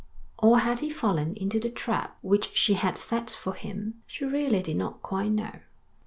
Or had he fallen into the trap which she had set for him? She really did not quite know.